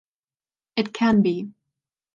It can be.